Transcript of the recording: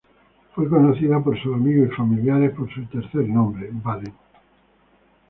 Fue conocido por sus amigos y familiares por su tercer nombre, "Baden".